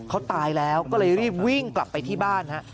เขาตายแล้วก็เลยรีบวิ่งกลับไปที่บ้านฮะ